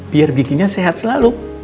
biar giginya sehat selalu